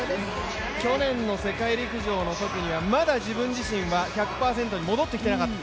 去年の世界陸上のときには、まだ自分自身は１００％に戻ってきてなかった。